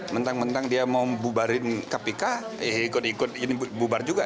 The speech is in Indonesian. mentang mentang dia mau bubarin kpk ikut ikut ini bubar juga